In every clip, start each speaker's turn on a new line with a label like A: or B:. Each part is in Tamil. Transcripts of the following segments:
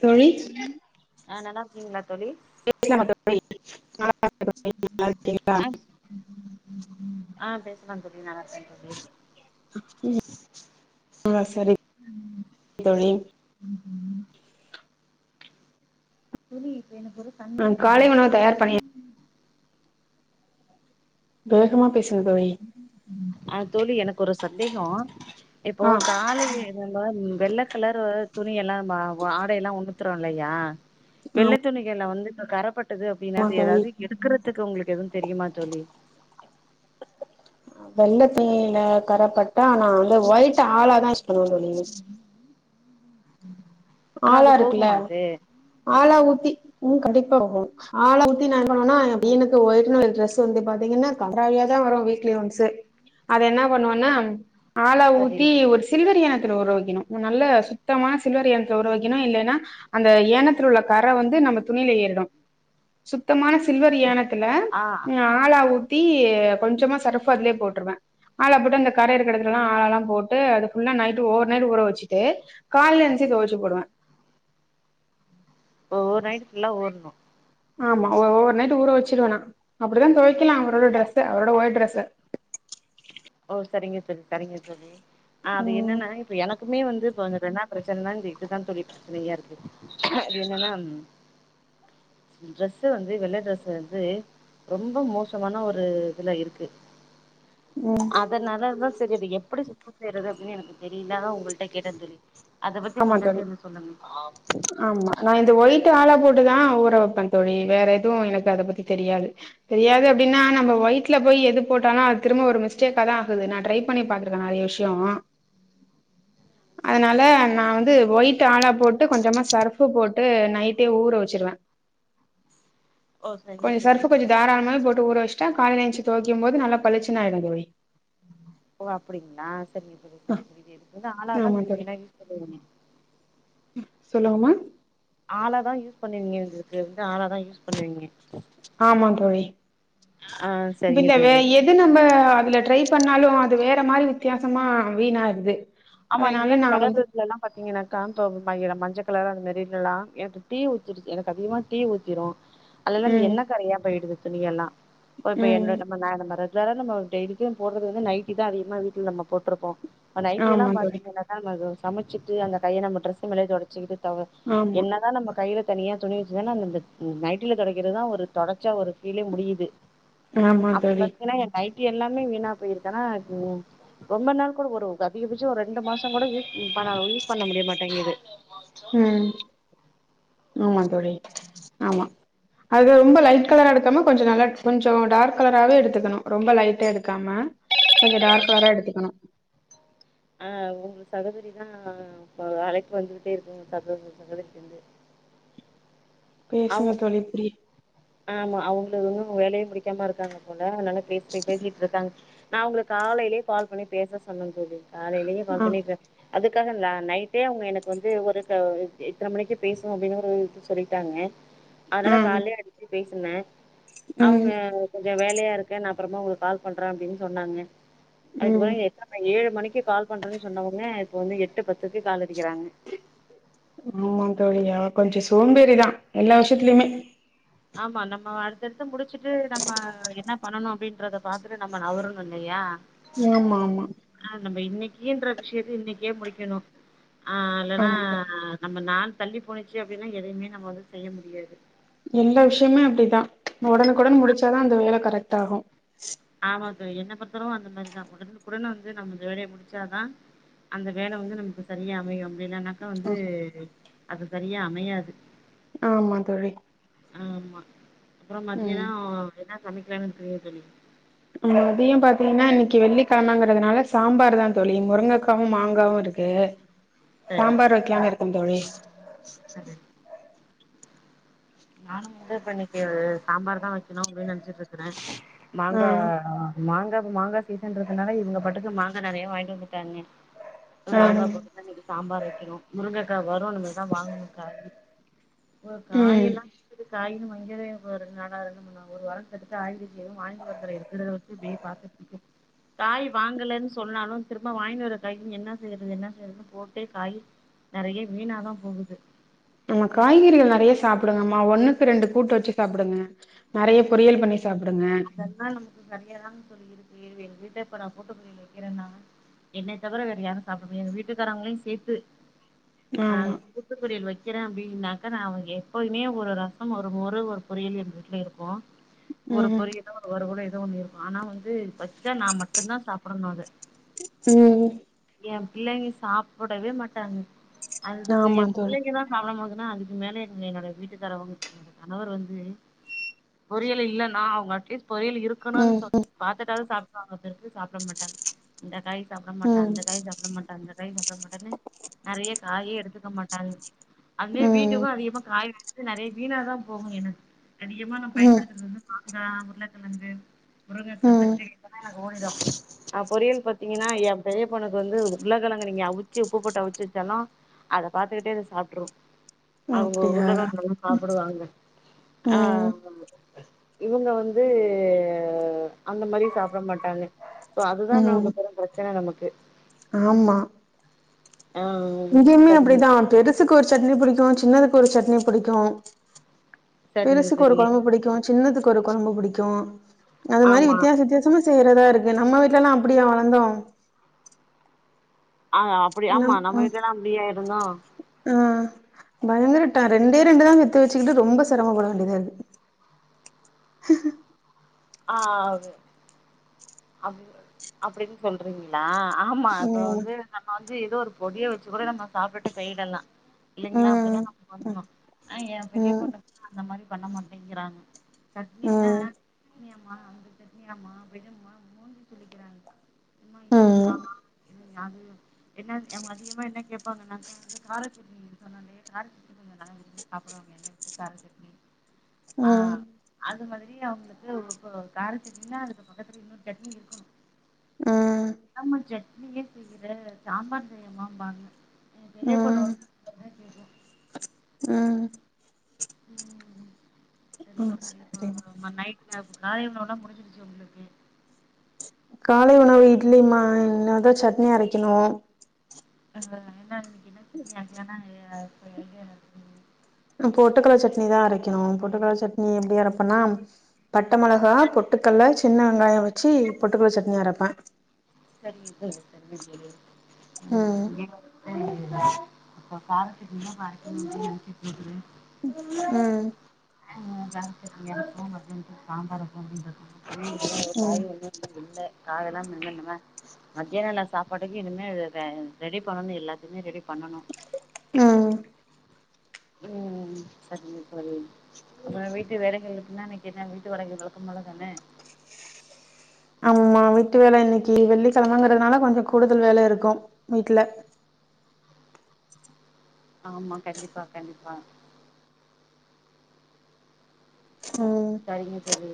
A: தோழி
B: ஆ, நல்லா இருக்கீங்களா தோழி?
A: பேசல மா தோழி நல்லா இருக்க தோழி நல்லா இருக்கீங்களா
B: ஆ ஆ பேசலாம் தோழி நல்லா இருக்க தோழி
A: ம் அ சரி தோழி
B: உஹும் தோழி இப்ப எனக்கொரு
A: நா காலை உணவு தயார் பண்ணி வேகமா பேசுங்க தோழி
B: அ தோழி எனக்கு ஒரு சந்தேகம் இப்போ
A: ஆ
B: காலை ஏங்க வெள்ள கலர் அ துணி எல்லாம் ஆடையெல்லாம் உடுத்துருறாங்க இல்லையா வெள்ள துணிக்கு எல்லாம் நா வந்து கர பட்டு பட்டது அப்டின்னா
A: ஆமா
B: அது
A: தோழி
B: ஏதாவது எடுக்கறதுக்கு உங்களுக்கு எதுவும் தெரியுமா தோழி
A: வெள்ள துணில கரப்பட் டா நா வந்து ஒயிட் ஆளா தான் யூஸ் பண்ணுவ தோழி
B: ஆனா அது
A: ஆளா இருக்குல்ல
B: போகுமா அது
A: ஆளா ஊத்தி ம் கடைக்கு போறாங்க ஆளா ஊத்தி நீ நா வாங்கனா என் பையனுக்கு ஒயிட்நா இன்ட்ரெஸ்ட் [unintelligible] வந்து பாத்தீங்கன்னா கன்ராாவியாதா வரு வீக்லி ஒன்சு அத என்ன பண்ணுவோன்னா ஆலா
B: சரி
A: ஊத்தி ஒரு சில்வர் யானத்துல ஊற வெய்க்கணு நல்ல சுத்தமா சில்வர் யான த்துல ஊற வெக்கணு இல்லேன்னா அந்த ஏனத்தில உள்ள கர வந்து நம்ம துணில ஏறிடு சுத்தமான சில்வர் யானத்துல
B: ஆ
A: ம் ஆலா ஊத்தி கொஞ்சமா சர்ப்ஃ அதுலயே போட்ருவே ஆலா போட்டு அந்த கரயிருக்கிறதுல்லா ஆலால்லா போட்டு அது ஃபுல்லா நைட்டு ஓவர் நைட் ஊற வெச்சிட்டு கால்ல என்ச்சி தொவச்சு போடுவே
B: ஓ ஓவர் நைட்டு ஃபுல்லா ஊற்ணு
A: ஆமா ஒரு ஓவர் நைட் ஊற வெச்சிடுவே நா அப்டிதா தொவைக்கலா அவரோட ட்ரெஸ்ஸ அவரோட ஒய்ட் ட்ரெஸ்ஸ
B: ஓ செரிங்க தோழி செரிங்க தோழி ஆ அது
A: ம்
B: என்னன்னா எனக்குமே வந்து இப்ப வந்து இப்ப என்னா பிரச்சனனா இந்த இக்கு தா தோழி பிரச்சனையா இருக்கு அது என்னன்னா ட்ரெஸ்சு வந்து வெள்ள ட்ரெஸ்சு வந்து ரொம்போ மோசமான ஒரு இதுல இருக்கு
A: ம்
B: அதனாலதா செரி அது எப்டி சுத்தோ செய்யறது அப்டினே எனக்கு தெரிய்ல உங்கள்ட்ட கேட்டே தோழி அத பத்தி
A: ஆமா
B: உங்ளுக்கு
A: தோழி
B: தெரிஞ்சத சொல்லுங்க
A: ஆமா நா இந்த ஒயிட்டு ஆலா போட்டுதா ஊற வெப்பே தோழி வேற எதுவு எனக்கு அத பத்தி தெரியாது தெரியாது அப்டினா நம்ம ஒயிட்ல போய் எது போட்டாலு அது திரும்ப ஒரு மிஸ்டேக்கா தா ஆகுது நா ட்ரை பண்ணி பாத்திருக்கே நறையா விஷ்யோ அதனால நா வந்து ஒயிட் ஆலா போட்டு கொஞ்சமா சர்ஃப்பு போட்டு நைட்டே ஊற வெச்சிருவே
B: ஓ சரிங்க
A: கொஞ்ச
B: தோழி
A: சர்ஃப்பு கொஞ்ச தாராளமாவே போட்டு ஊற வெச்சிட்டா காலைல எந்ச்சு தொவைக்கு போது நல்லா பளிச்சுனு ஆயிடு தோழி
B: ஓ அப்டிங்ளா செரிங்க தோழி
A: ஆ
B: செரிங்க தோழி இது ஆலா தா
A: ஆமா
B: நீங்க [inaudible] யூஸ் பண்ணுவீங்க
A: சொல்லுங்ம்மா
B: ஆலா தா யூஸ் பண்ணுவீங்க எங்களுக்கு வந்து ஆலா தா யூஸ் பண்ணுவீங்க
A: ஆமாந் தோழி
B: ஆ சரிங்க
A: இதுல வே
B: தோழி
A: எ து நம்ம அதுல ட்ரை பண்ணாலு அது வேற மாரி வித்தியாசமா வீணா ஆகுது
B: ஆமா இதே இப்ப கலர் டிரஸ்லல்லா பாத்தீங்கன்னாக்கா [unintelligible] மஞ்ச கலர் அந்த மாரி இதுலல்லா எனக்கு டீ ஊத்திடுது எனக்கு அதிகமாக டீ ஊத்திரு
A: [unintelligible]
B: அதுலல்லா அந்த எண்ணெ கறையா போயிடுது துணியெல்லா போய் போய்
A: ம்
B: எண்ணெ நம்ம [unintelligible] வேற நம்ம டெய்லிக்கு போட்றது வந்து நைட்டிதா அதிகமா வீட்ல நம்ம போட்ருப்போ நைய்டி எல்லா
A: ஆமா தோழி
B: பாத்தீனாக்கா நம்ம இது சமச்சிட்டு அந்த கைய நம்ம டிரஸ் மேல தொடச்சிகிட்டு [unintelligible]
A: ஆமா
B: என்னதா நம்ம கைல தனியா துணி வெச்சுதுதா நம்ம இந்த நைட்டில தொடைக்கிறதுதா ஒரு தொடச்சா ஒரு ஃபீலே முடியிது
A: ஆமா
B: அப்ப
A: தோழி
B: பாத்தீங்கன்னா எ நைட்டி எல்லாமே வீணா போயிருக்கன்னா ரொம்ப நாள் கூட ஒரு அதிகபட்சோ ஒரு ரெண்டு மாசங் கூட யூஸ் பண யூஸ் பண்ண முடியமாட்டேங்குது
A: ம் ஆமா தோழி ஆமா அது ரொம்ப லைட் கலரா எடுக்காம கொஞ்ச நல்லா கொஞ்சோ டார்க் கலராவே எடுத்துக்கணு ரொம்ப லைட்டா எடுக்காம கொஞ்ச டார்க் கலரா எடுத்துக்கணு
B: ஆ உங்க சகோதரி தா இப்ப அலைப்பு வந்துகிட்டே இருக்கு சகோதரி சகோதரிக்கிட்டருந்து
A: பேசுங்க தோழி ஃப்ரி
B: ஆமா அவுங்ளு இன்னு வேலயே முடிக்காம இருக்காங்க போல அதனால நல்லா பேஸ் பேசிட்ருக்காங்க நா உங்கள காலைலே கால் பண்ணி பேச சொன்னந்தோழி காலைலே கால்
A: ஆ
B: பண்ணி அதுக்காக நா நைட்டே அவுங்க எனக்கு வந்து ஒரு க இத்தன மணிக்கு பேசுவோ அப்டினு ஒரு இது சொல்லி ட்டாங்க
A: ஆ
B: அதனால கால்லயே அடிச்சி பேசினே அவுங்க
A: ம்
B: கொஞ்சோ வேலயா இருக்க நா அப்பறமா உங்களுக்கு கால் பண்றே அப்டின் சொன்னாங்க அதுக்கு
A: ம்
B: ஏழு மணிக்கு கால் பண்றேனு சொன்னவங்க இப்போ வந்து எட்டு பத்துக்கு கால் அடிக்கிறாங்க
A: ஆமா தோழி அவ கொஞ்சோ சோம்பேறிதா எல்லா விஷ்யத்துலயுமே
B: ஆமா நம்ம அடுத்தடுத்து முடிச்சுட்டு நம்ம என்ன பண்ணணோ அப்டின்றத பாத்துட்டு நம்ம நவுரணோ இல்லயா
A: ஆமா ஆமா
B: ஆ நம்ம இன்னிக்கின்ற விஷயத்த இன்னைக்கே முடிக்கணோ ஆ இல்லனா
A: ஆமா
B: நம்ம நாள் தள்ளி போனிச்சு அப்டின்னா எதையுமே நம்ம வந்து செய்ய முடியாது
A: எல்லா விஷ்யமுமே அப்டிதா ஒடனுக்குடன் முடிச்சாதா அந்த வேல கரெக்ட் ஆகோ
B: ஆமா தோழி என்ன பொறுத்தரோ அந்த மாரிதா உடனுக்குடன் வந்து நம்ம வேலைய முடிச்சாதா அந்த வேல வந்து நமக்கு சரியா அமையு அப்டி இல்லனாக்கா வந்து அது சரியா அமையாது
A: ஆமா தோழி
B: ஆமா அப்றோ
A: ம்
B: மத்தியானோ என்ன சமைக்கலான்னு இருக்றீங்க தோழி
A: மதியோ பாத்தீங்கனா இன்னிக்கு வெள்ளிக் கெழமங்குறதுனால சாம்பார் தா தோழி முருங்கக்காவு மாங்காவு இருக்கு சாம்பார் வெக்கலானு இருக்க தோழி
B: ச் சரி நானு வந்து இப்ப இன்னிக்கு சாம்பார் தா வெக்கணு அப்டின்னு நெனச்சிட்டு இருக்குறே
A: ஆ
B: மாங்கா மாங்கா கு மாங்கா சீசன் ரதுனால இவங்க பாட்டுக்கு மாங்கா நறைய வாங்கி வந்துட்டாங்க
A: ஆ
B: மாங்கா போட்டு தா இன்னிக்கு சாம்பார் வைக்கணு முருங்கக்கா வரு இனிமேதா வாங்கணு காய் ஒரு
A: ம்
B: காயெல்லா காயின்னு [unintelligible] நாளா இருக்கனோ ஒரு வரோ அடுத்து காய்கறி எதுவு வாங்கிட்டு வர்தல இருக்குறது வச்சு இப்டீ பாத்துட்டுருக்கே காய் வாங்கலனு சொன்னாலு திரும்ப வாங்கினு வர டைம் என்ன செய்யறது என்ன செய்யறதுன்னு போட்டு காய் நறைய வீணாதா போகுது
A: நம்ம காய்கறிகள் நறைய சாப்டுங்க மா ஒண்ணுக்கு ரெண்டு கூட்டு வெச்சு சாப்டுங்க நறைய பொரியல் பண்ணி சாப்டுங்க
B: அது எல்லா நமக்கு கரியாதா தோழி இருக்கு எங்க வீட்ல இப்பனா கூட்டுப்பொறியல் வெக்கிறேன்தாங்க என்னய தவிர வேற யாரு சாப்டாமா எங்க வீட்டுக்காரவங்களையு சேத்து ஆ
A: ஆமா
B: கூட்டு பொரியல் வெக்குற அப்டின்னாக்க நா அவங்க எப்பவுமே ஒரு ரசம் ஒரு மொறு ஒரு பொரியல் எங்க வீட்ல இருக்கோ ஒரு
A: ம்
B: பொரியலோ ஒரு வருவலோ ஏதோ ஒண்ணு இருக்கோ ஆனா வந்து வச்சா நா மட்டோதா சாப்புடணோ அத
A: ம்
B: எ பிள்ளைங்க சாப்டவே மாட்டாங்க அதுக்கு
A: ஆமா
B: எ
A: தோழி
B: பிள்ளைங்கதா சாப்ட மோதுனா அதுக்கு மேல எங்க என்னோடைய வீட்டுகாரவங்க என்னோட கணவர் வந்து பொரியல் இல்லனா அட்லீஸ் பொரியல் இருக்கணோன்
A: ம்
B: சொன் பாத்துடாது சாப்டுவாங்க பிறகு சாப்ட மாட்டாங்க இந்த காய் சாப்ட மாட்ட
A: ம்
B: அந்த காய் சாப்ட மாட்ட அந்த காய் சாப்ட மாட்டேன்னு நறைய காயே எடுத்துக்க மாட்டாங்க அதுலயே
A: ம்
B: வீட்டுக்கு அதிகமா காய் வெடுத்து நறைய வீணாதா போகு எனக்கு அதிகமா நா
A: ம் ம்
B: பயன்படுத்துறது வந்து மாங்கா உருளக்கெழங்கு முருகக்கா
A: ம்
B: கத்திரி [inaudible] அ பொரியல் பாத்தீங்கனா எ பெரிய பொண்ணுக்கு வந்து உருளகெழங்கு நீங்க அவிச்சு உப்பு போட்டு அவிச்சு வெச்சானா அத பாத்துக்கிட்டே இது சாப்ட்றோ அவங்க
A: அப்டியா
B: உருளகெழங்கு சாப்புடுவாங்க ஆ
A: ம்
B: அமாங்க இவங்க வந்து அந்த மாரி சாப்ட மாட்டாங்க சோ அதுதா
A: ம்
B: நமக்கு பெரும் பிரச்சன நமக்கு
A: ஆமா.
B: ஆ
A: இங்கேயுமே
B: சரிங்க
A: அப்டிதா பெருசுக்கு ஒரு சட்னி புடிக்கு சின்னதுக்கு ஒரு சட்னி புடிக்கு
B: சரிங்க
A: பெருசுக்கு ஒரு
B: தோழி
A: கொழம்பு பிடிக்கு சின்னதுக்கு ஒரு கொழம்பு பிடிக்கு அது மாரி
B: ஆமா
A: வித்தியாச வித்தியா [unintelligible] செய்றதாருக்கு நம்ம வீட்லல்லா அப்டியா வளந்தோ
B: ஆ அப்டி ஆமா
A: நம் ஆ
B: நம்ம வீட்லலா அப்டியாருந்தோ
A: ஆ பயங்கரட்டா ரெண்டே ரெண்டு தா பெத்து வச்சுக்கிட்டு ரொம்ப செரமப்பட வேண்டியதாரு ஹா ஹ
B: ஆ து அப் அப்டின் சொல்றீங்ளா ஆமா இப்ப
A: ம்
B: வந்து நம்ம வந் து எதோ ஒரு பொடிய வச்சு கூட நம்ம சாப்பிட்டு போய்டலா இல்லைங்ளா
A: ம்
B: அப்டிதா நாம பண்ணுவோ ஆ எ பெரிய
A: ம்
B: பொண்ணுக்கு அந்த மாரி பண்ண மாட்டேங்கிறாங்க
A: ம்
B: சட்னினா
A: ம்
B: சட்னியாமா அந்த சட்னியாமா விடுமா சொல்லிக்கிறாங்க அம்மா இதுவா
A: ம்
B: இது அது என்ன எ அதிகமா என்ன கேப்பாங்கனாக்கா எதோ கார‌ சட்னி‌ன் சொன்னாங்ளே கார கொஞ்ச நல்லா விரும்பி சாப்டுவாங்க எண்ண விட்டு காரச்சாட்னி ஆ
A: ம்
B: அது மாத்ரி அவுங்ளுக்கு இப்ப கார செட்னினா அதுக்கு பக்கத்துல இன்னொரு சட்னி இருக்கணு [unintelligible] சட் இத ஏ செய்றே சாம்பார் செய்யமாம்பாங்க எ பெரிய பொண்ணு
A: ம்
B: வந்து கேக்கு
A: ம்
B: ம்
A: ம்
B: செரிங்க
A: சரிமா
B: [unintelligible] நை [unintelligible] முடிஞ்சிருச்சு உங்ளுக்கு
A: காலை உணவு இட்லிமா என்னாது சட்னி அரைக்கணு
B: ஆ என்ன இன்னக்கி என்ன சட்னி அரைக்லானா ஆ
A: நா பொட்டுக்கல்ல சட்னி தா அரைக்கணு பொட்டுக்கல்ல சட்னி எப்டி அரப்பேனா பட்ட மெளகா பொட்டுக்கல்ல சின்ன வெங்காயோ வச்சு பொட்டுக்கல்ல சட்னி அரப்பே
B: செரிங்க தோழி செரிங்க
A: ம்
B: தோழி [inaudible] அப்ப கார சட்னி னா கார சட்னி [inaudible] [inaudible]
A: ம்
B: கார சட்னி அப்போ மத்யானத்துல சாம்பார் [inaudible] ஒண்ணு
A: ம்
B: இல்ல காயெல்லா [inaudible] மத்ய வேல சாப்பாட்டுக்கு இனிமே ரெ ரெடி பண்ணணு எல்லாத்தியுமே ரெடி பண்ணணு
A: ம்
B: ம் செரிங்க தோழி நா வீட்டு வேலைகளுக்குனா நா கேட்டே வீட்டு வேலைகள் வழக்கம் போல தான
A: ஆமா வீட்டு வேல இன்னக்கி வெள்ளிக்கிழமங்றதுனால கொஞ்சோ கூடுதல் வேல இருக்கு வீட்ல
B: ஆமா கண்டிப்பா கண்டிப்பா
A: ம்
B: செரிங்க தோழி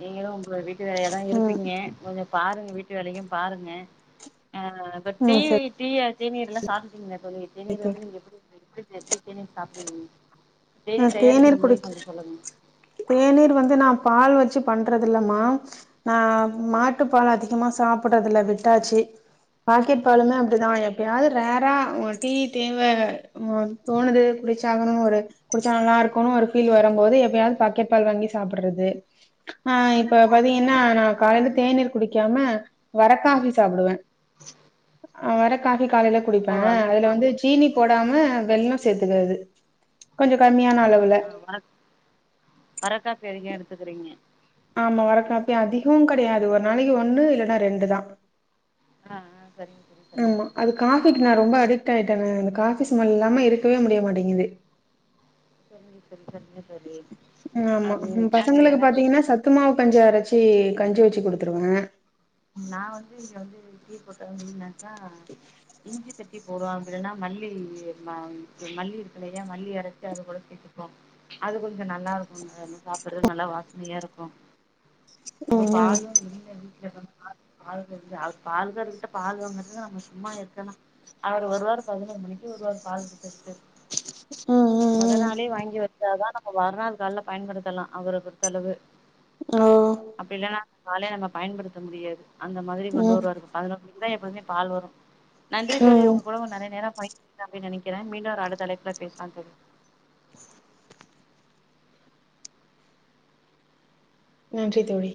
B: நீங்களு ஒங்க வீட்டு வேலயா தா
A: ம்
B: இருப்பீங்க கொஞ்சோ பாருங்க வீட் டு வேலயு பாருங்க ஆ இப்ப டீ
A: ம் சரி
B: டீ தேநீர் இதல்லா சாப்ட்டுட்டீங்களா தோழி தேநீர்
A: தோழி
B: வந்து நீங்க எப்டி எப்டி எப்டி தேநீர் சாப்டுவீங்க
A: நா
B: தேநீர் தயாரிக்கிற முறை
A: குடிக்க
B: கொஞ்சோ சொல்லுங்க
A: தேநீர் வந்து நா பால் வச்சு பண்றதில்ல மா ஆ மாட்டுப்பால் அதிகமா சாப்புறதுல விட்டாச்சு பாக்கெட் பாலுமே அப்டிதா எப்பயாது ரேரா ஒங்க டீ தேவ தோணுது குடிச்சாகணு ஒரு குடிச்சா நல்லாருக்குனு ஒரு ஃபீல் வரம்போது எப்பயாது பக்கெட் பால் வாங்கி சாப்பட்றது ஆ இப்ப பாத்தீங்கன்னா நா காலைல தேநீர் குடிக்காம வரக்காஃபி சாப்டுவே ஆ வரகாஃபி காலேல குடிப்பே
B: ஓ அது இப்ப
A: அதுல வந்து சீனி போடாம வெல்லோ சேர்த்துக்கறது கொஞ்சோ கம்மியா
B: ஆ ஆ வரக் வரக்காஃபி அது ஏ எடுத்துக்கிறீங்க
A: ஆமா வரகாஃபி அதிகவு கெடையாது ஒரு நாளைக்கு ஒன்னு இல்லன்னா ரெண்டு தா
B: ஆ ஆ சரிங்க தோழி சரிங்க
A: ஆமா அது
B: தோழி
A: காஃபிக்கு நா ரொம்ப அடிக்ட் ஆயிட்டேங்க இந்த காஃபி ஸ்மெல் இல்லாம இருக்கவே முடியமாட்டேங்குது
B: சரிங்க தோழி சரிங்க தோழி
A: ஆமா
B: அது
A: ம் பசங்களுக்கு
B: எனக்கு
A: பாத்தீங்கன்னா
B: என்னன்
A: சத்துமாவு கஞ்சி அரைச்சி கஞ்சி வச்சு குடுத்துருவே
B: நா வந்து இங்க வந்து டீ போட்டே அப்டின்னாக்கா இஞ்சி தட்டி போடுவா இல்லன்னா மல்லி ம மல்லி இருக்குஇல்லையா மல்லி அரைச்சி அது கூட‌ சேத்துப்போ அது கொஞ்சோ நல்லா இருக்கும்ல நம்ம சாப்டுறது நல்லா வாசனையா இருக்கு அப்ப
A: ம் ம்
B: பாலு இல்ல வீட்ல கம் பால் இல்ல அது பால்காரர் கிட்ட பால் வாங்குறதுக்கு நம்ம சும்மா இருக்கலா அவர் வருவாரு பதினொரு மணிக்கு வருவாரு பால் குடுக்கதுக்கு
A: ம் ம் ம்
B: மொதநாளே வாங்கி வச் சா தா நம்ம மறுநாள் கால்ல பயன்படுத்தலா அவர பொருத்தளவு
A: ஓ
B: அப்டி இல்லன்னா பாலே நம்ம பயன்படுத்த முடியாது அந்த மாதிரி கொண்டு
A: ம்
B: வருவாரு பதினொரு மணிக்குதா எப்பவுமே பால் வரு நன்றி தோழி
A: ம்
B: ஒங்க கூட நெறய ‌நேரோ பேசி டே அப்டின் நெனைக்கிறே மீண்டும் ஒரு அடுத்த அழைப்புல பேசலா தோழி
A: நன்றி தோழி